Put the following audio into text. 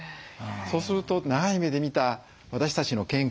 そうすると長い目で見た私たちの健康にとってね